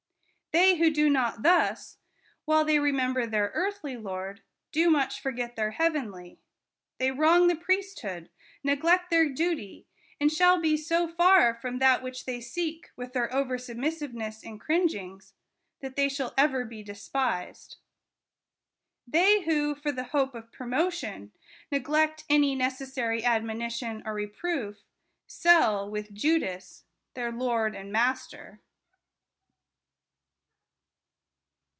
They who do not thus, while they re member their earthly lord, do much forget their heav enly ; they wrong the priesthood, neglect their duty, and shall be so far from that which they seek with their over submissiveness and cringings, that they shall ever be despised. They who, for the hope of promotion, neglect any necessary admonition or reproof, sell (with Judas) their Lord and Master.